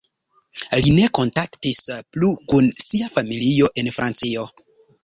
Li ne kontaktis plu kun sia familio en Francio.